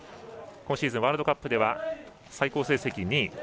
今シーズン、ワールドカップでは最高成績２位。